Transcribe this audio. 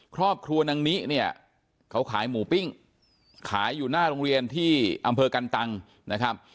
ครอบครัวนางนิเนี่ยเขาขายหมูปิ้งขายอยู่หน้าโรงเรียนที่อำเภอกันตังนะครับ